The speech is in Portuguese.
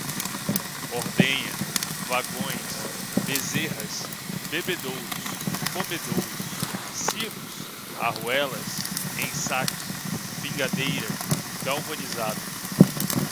ordenha, vagões, bezerras, bebedouros, comedouros, silos, arruelas, ensaque, pingadeira, galvanizado